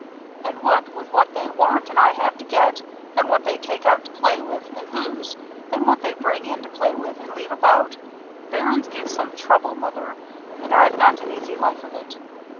And what with what they want and I have to get, and what they take out to play with and lose, and what they bring in to play with and leave about, bairns give some trouble, Mother, and I've not an easy life of it.